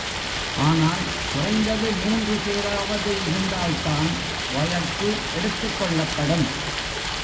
ஆனால் குறைந்தது மூன்று பேராவது இருந்தால்தான் வழக்கு எடுத்துக்கொள்ளப்படும்.